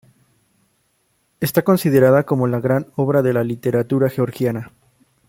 Está considerada como la gran obra de la literatura georgiana.